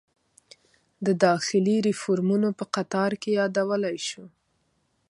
د داخلي ریفورومونو په قطار کې یادولی شو.